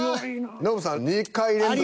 ノブさん２回連続。